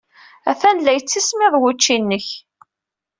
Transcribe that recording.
Atan la yettismiḍ wučči-nnek.